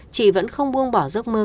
chị vẫn không buông bỏ giấc mơ